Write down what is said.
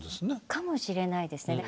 かもしれないですね。